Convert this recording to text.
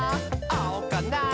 あおかな？